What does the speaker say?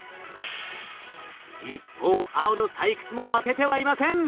一方青の採掘も負けてはいません。